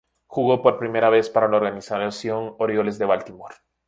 Jugó por última vez para la organización Orioles de Baltimore.